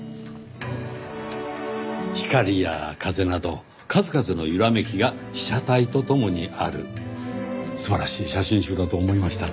光や風など数々のゆらめきが被写体と共にある素晴らしい写真集だと思いました。